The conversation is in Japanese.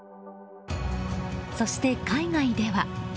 そして海外では。